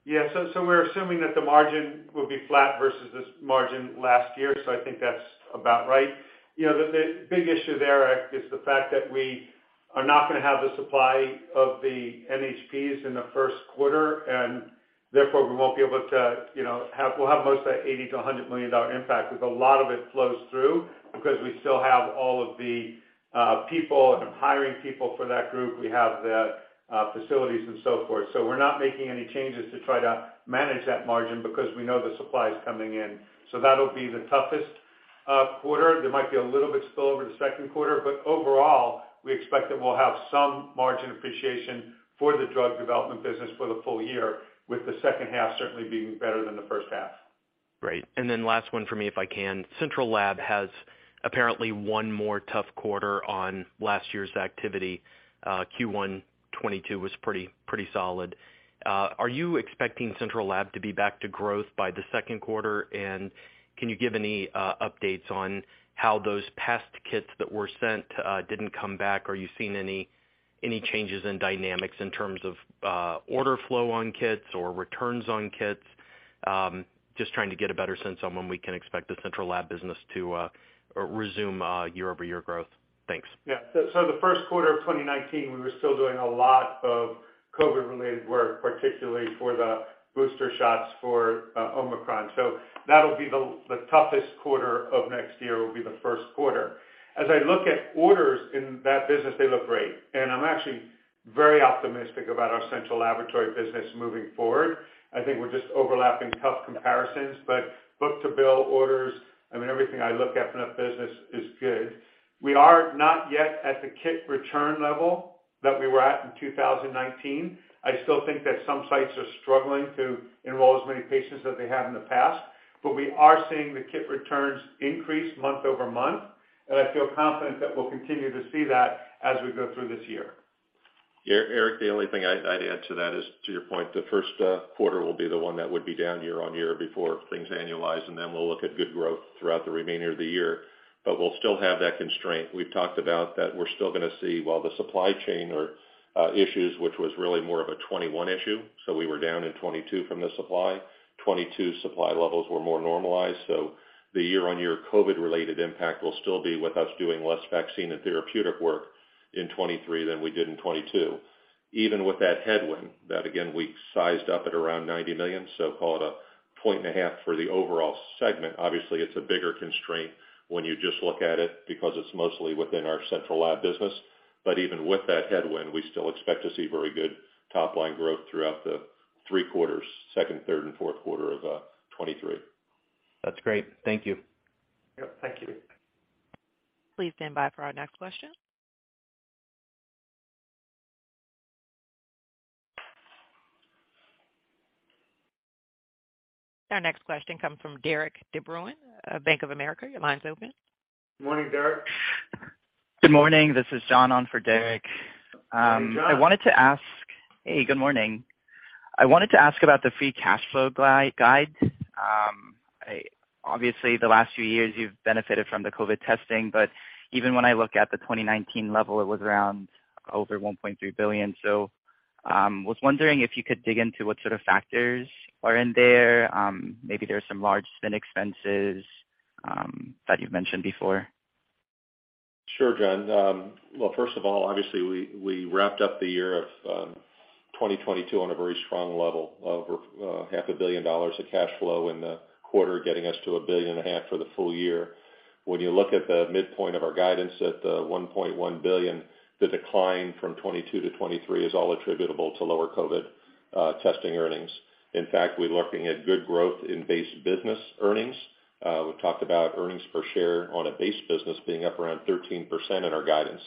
Speaker 3: Yeah. We're assuming that the margin will be flat versus this margin last year, so I think that's about right. You know, the big issue there, Eric, is the fact that we are not gonna have the supply of the NHPs in the first quarter, and therefore we won't be able to, you know, we'll have most of that $80 million-$100 million impact because a lot of it flows through because we still have all of the people and hiring people for that group. We have the facilities and so forth. We're not making any changes to try to manage that margin because we know the supply is coming in. That'll be the toughest quarter. There might be a little bit spill over the second quarter. Overall, we expect that we'll have some margin appreciation for the drug development business for the full year, with the second half certainly being better than the first half.
Speaker 11: Great. Last one for me, if I can. Central Lab has apparently one more tough quarter on last year's activity. Q1 2022 was pretty solid. Are you expecting Central Lab to be back to growth by the second quarter? Can you give any updates on how those past kits that were sent didn't come back? Are you seeing any changes in dynamics in terms of order flow on kits or returns on kits? Just trying to get a better sense on when we can expect the Central Lab business to resume year-over-year growth. Thanks.
Speaker 3: Yeah. So the first quarter of 2019, we were still doing a lot of COVID-related work, particularly for the booster shots for Omicron. That'll be the toughest quarter of next year, will be the first quarter. As I look at orders in that business, they look great. I'm actually very optimistic about our Central Laboratory business moving forward. I think we're just overlapping tough comparisons, but book-to-bill orders, I mean, everything I look at in that business is good. We are not yet at the kit return level that we were at in 2019. I still think that some sites are struggling to enroll as many patients as they have in the past, but we are seeing the kit returns increase month-over-month, and I feel confident that we'll continue to see that as we go through this year.
Speaker 4: Eric, the only thing I'd add to that is, to your point, the first quarter will be the one that would be down year-on-year before things annualize, then we'll look at good growth throughout the remainder of the year. We'll still have that constraint. We've talked about that we're still going to see while the supply chain issues, which was really more of a 2021 issue, we were down in 2022 from the supply. 2022 supply levels were more normalized, the year-on-year COVID-related impact will still be with us doing less vaccine and therapeutic work in 2023 than we did in 2022. Even with that headwind, that again we sized up at around $90 million, call it a point and a half for the overall segment. Obviously, it's a bigger constraint when you just look at it because it's mostly within our Central Lab business. Even with that headwind, we still expect to see very good top line growth throughout the three quarters, second, third, and fourth quarter of 2023.
Speaker 11: That's great. Thank you.
Speaker 3: Yep. Thank you.
Speaker 1: Please stand by for our next question. Our next question comes from Derik De Bruin of Bank of America. Your line's open.
Speaker 3: Morning, Derik.
Speaker 12: Good morning. This is John on for Derik.
Speaker 3: Good morning, John.
Speaker 12: I wanted to ask. Hey, good morning. I wanted to ask about the free cash flow guide. Obviously, the last few years you've benefited from the COVID testing, but even when I look at the 2019 level, it was around over $1.3 billion. Was wondering if you could dig into what sort of factors are in there. Maybe there's some large spin expenses that you've mentioned before.
Speaker 4: Sure, John. Well, first of all, obviously, we wrapped up the year of 2022 on a very strong level of half a billion dollars of cash flow in the quarter, getting us to a billion and a half for the full year. When you look at the midpoint of our guidance at $1.1 billion, the decline from 2022 to 2023 is all attributable to lower COVID testing earnings. In fact, we're looking at good growth in base business earnings. We've talked about earnings per share on a base business being up around 13% in our guidance.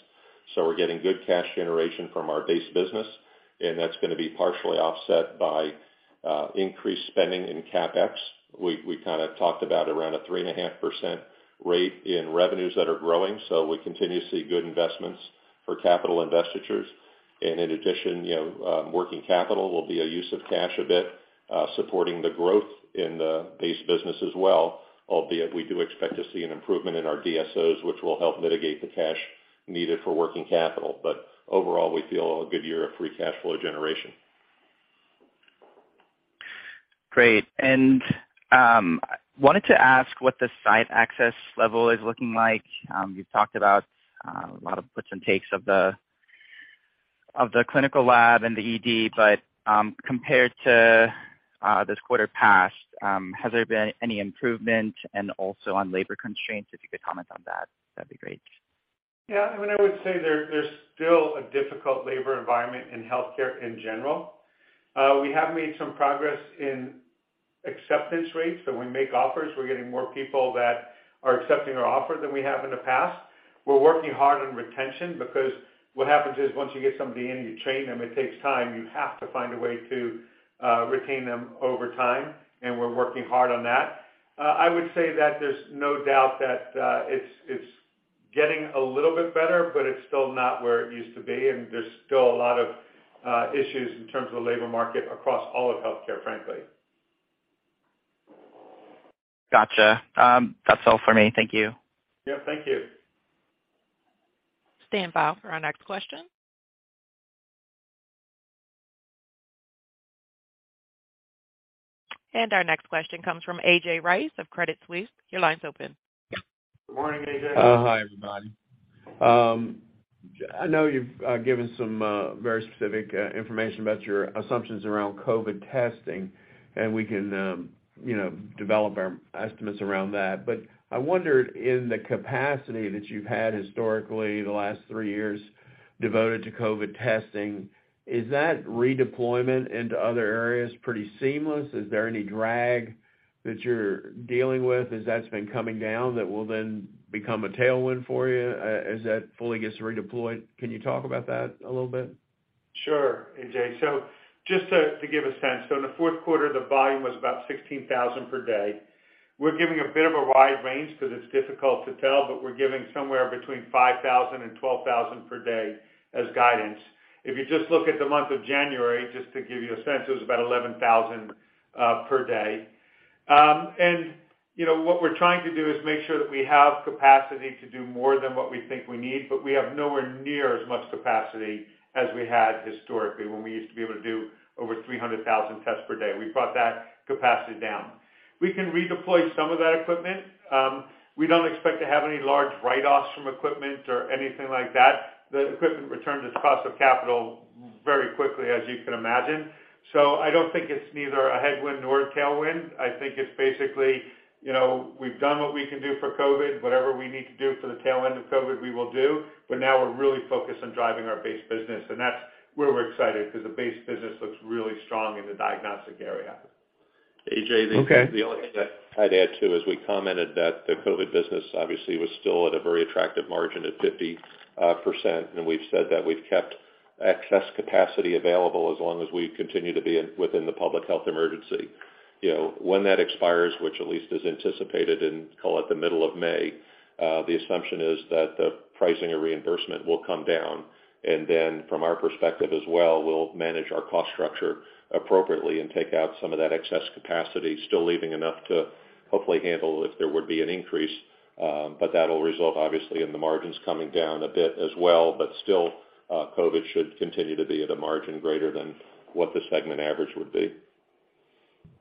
Speaker 4: We're getting good cash generation from our base business, and that's gonna be partially offset by increased spending in CapEx. We kind of talked about around a 3.5% rate in revenues that are growing. We continue to see good investments for capital investitures. In addition, you know, working capital will be a use of cash a bit, supporting the growth in the base business as well, albeit we do expect to see an improvement in our DSOs, which will help mitigate the cash needed for working capital. Overall, we feel a good year of free cash flow generation.
Speaker 12: Great. I wanted to ask what the site access level is looking like. You've talked about a lot of puts and takes of the clinical lab and the ED, but compared to this quarter past, has there been any improvement? Also on labor constraints, if you could comment on that'd be great.
Speaker 3: Yeah, I mean, I would say there's still a difficult labor environment in healthcare in general. We have made some progress in acceptance rates, so when we make offers, we're getting more people that are accepting our offer than we have in the past. We're working hard on retention because what happens is once you get somebody in, you train them, it takes time. You have to find a way to retain them over time, and we're working hard on that. I would say that there's no doubt that it's getting a little bit better, but it's still not where it used to be, and there's still a lot of issues in terms of the labor market across all of healthcare, frankly.
Speaker 12: Gotcha. That's all for me. Thank you.
Speaker 3: Yeah, thank you.
Speaker 1: Stand by for our next question. Our next question comes from A.J. Rice of Credit Suisse. Your line's open.
Speaker 3: Good morning, A.J.
Speaker 13: Hi, everybody. I know you've given some very specific information about your assumptions around COVID testing, and we can, you know, develop our estimates around that. I wondered in the capacity that you've had historically the last three years devoted to COVID testing, is that redeployment into other areas pretty seamless? Is there any drag that you're dealing with as that's been coming down that will then become a tailwind for you as that fully gets redeployed? Can you talk about that a little bit?
Speaker 3: Sure, A.J. Just to give a sense, in the fourth quarter, the volume was about 16,000 per day. We're giving a bit of a wide range 'cause it's difficult to tell, but we're giving somewhere between 5,000 and 12,000 per day as guidance. If you just look at the month of January, just to give you a sense, it was about 11,000 per day. You know, what we're trying to do is make sure that we have capacity to do more than what we think we need, but we have nowhere near as much capacity as we had historically when we used to be able to do over 300,000 tests per day. We brought that capacity down. We can redeploy some of that equipment. We don't expect to have any large write-offs from equipment or anything like that. The equipment returned its cost of capital very quickly, as you can imagine. I don't think it's neither a headwind nor a tailwind. I think it's basically, you know, we've done what we can do for COVID. Whatever we need to do for the tail end of COVID, we will do. Now we're really focused on driving our base business, and that's where we're excited because the base business looks really strong in the diagnostic area.
Speaker 4: A.J.
Speaker 3: Okay.
Speaker 4: The only thing that I'd add, too, is we commented that the COVID business obviously was still at a very attractive margin at 50%. We've said that we've kept excess capacity available as long as we continue to be within the public health emergency. You know, when that expires, which at least is anticipated in, call it, the middle of May, the assumption is that the pricing and reimbursement will come down. From our perspective as well, we'll manage our cost structure appropriately and take out some of that excess capacity, still leaving enough to hopefully handle if there would be an increase. That'll result obviously in the margins coming down a bit as well. Still, COVID should continue to be at a margin greater than what the segment average would be.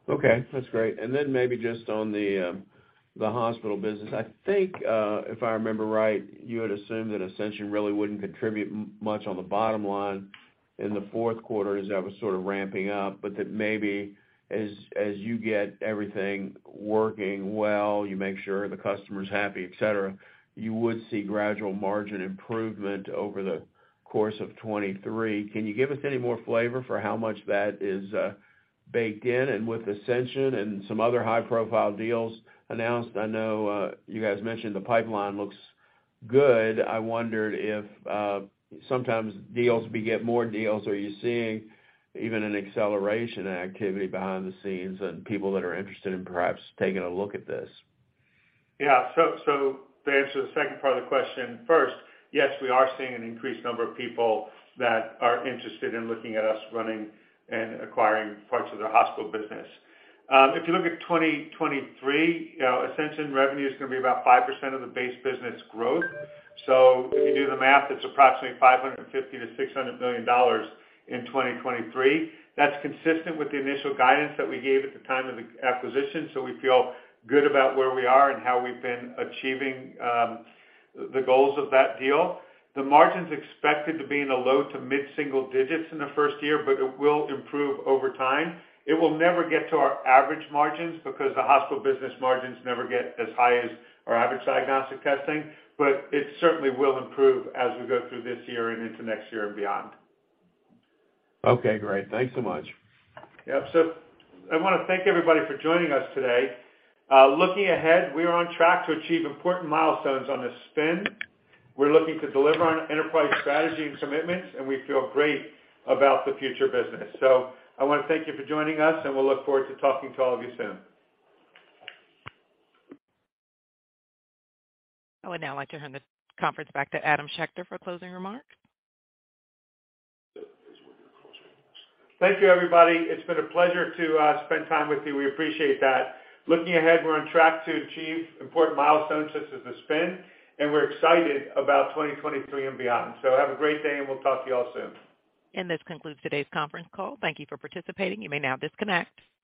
Speaker 13: Okay, that's great. Maybe just on the hospital business. I think, if I remember right, you had assumed that Ascension really wouldn't contribute much on the bottom line in the fourth quarter as that was sort of ramping up. Maybe as you get everything working well, you make sure the customer's happy, et cetera, you would see gradual margin improvement over the course of 2023. Can you give us any more flavor for how much that is baked in? With Ascension and some other high-profile deals announced, I know, you guys mentioned the pipeline looks good. I wondered if, sometimes deals beget more deals. Are you seeing even an acceleration in activity behind the scenes and people that are interested in perhaps taking a look at this?
Speaker 3: To answer the second part of the question first, yes, we are seeing an increased number of people that are interested in looking at us running and acquiring parts of their hospital business. If you look at 2023, you know, Ascension revenue is gonna be about 5% of the base business growth. If you do the math, it's approximately $550 million-$600 million in 2023. That's consistent with the initial guidance that we gave at the time of acquisition, we feel good about where we are and how we've been achieving the goals of that deal. The margin's expected to be in the low to mid-single digits in the first year, it will improve over time. It will never get to our average margins because the hospital business margins never get as high as our average diagnostic testing. It certainly will improve as we go through this year and into next year and beyond.
Speaker 13: Okay, great. Thanks so much.
Speaker 3: Yeah. I wanna thank everybody for joining us today. Looking ahead, we are on track to achieve important milestones on the spin. We're looking to deliver on enterprise strategy and commitments, and we feel great about the future business. I wanna thank you for joining us, and we'll look forward to talking to all of you soon.
Speaker 1: I would now like to hand this conference back to Adam Schechter for closing remarks.
Speaker 3: Thank you, everybody. It's been a pleasure to spend time with you. We appreciate that. Looking ahead, we're on track to achieve important milestones as with the spin, and we're excited about 2023 and beyond. Have a great day, and we'll talk to you all soon.
Speaker 1: This concludes today's conference call. Thank you for participating. You may now disconnect.